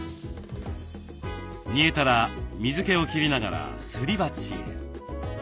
煮えたら水けを切りながらすり鉢へ。